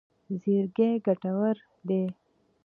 زیرکي ګټور دی.